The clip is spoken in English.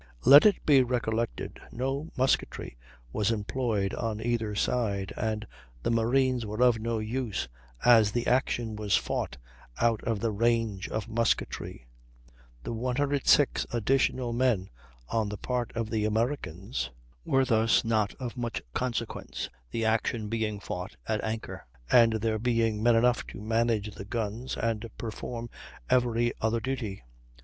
410, 413): "Let it be recollected, no musketry was employed on either side," and "The marines were of no use, as the action was fought out of the range of musketry"; the 106 additional men on the part of the Americans were thus not of much consequence, the action being fought at anchor, and there being men enough to manage the guns and perform every other duty.